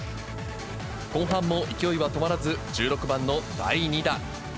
後半も勢いは止まらず、１６番の第２打。